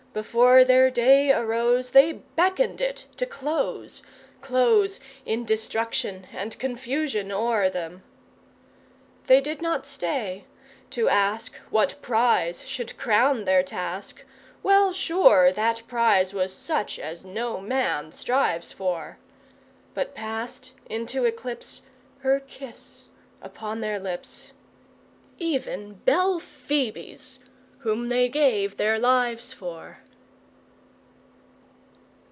Before their day arose They beckoned it to close Close in destruction and confusion o'er them. They did not stay to ask What prize should crown their task, Well sure that prize was such as no man strives for; But passed into eclipse, Her kiss upon their lips Even Belphoebe's, whom they gave their lives for!